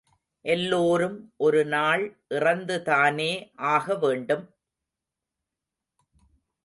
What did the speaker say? எல்லோரும் ஒரு நாள் இறந்து தானே ஆக வேண்டும்?